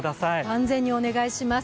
万全にお願いします。